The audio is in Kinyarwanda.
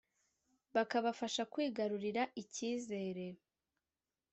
bakabafasha kwigarurira icyizere